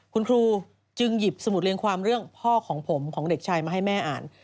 คุณครูจึงหยิบสมุดเรียงความเรื่องพ่อของผมของเด็กชายมาให้แม่อ่าน